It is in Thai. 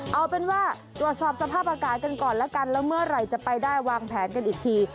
เอาเป็นว่าตรวจสอบสภาพอากาศกันก่อนแล้วกันแล้วเมื่อไหร่จะไปได้วางแผนกันอีกที